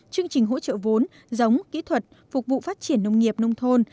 chương trình hỗ trợ vốn giống kỹ thuật phục vụ phát triển nông nghiệp nông thôn